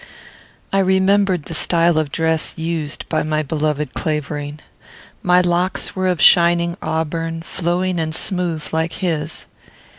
I remembered the style of dress used by my beloved Clavering. My locks were of shining auburn, flowing and smooth like his.